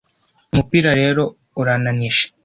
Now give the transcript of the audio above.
umupira rero urananije